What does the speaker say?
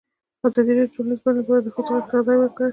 ازادي راډیو د ټولنیز بدلون په اړه د ښځو غږ ته ځای ورکړی.